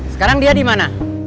sekarang dia di mana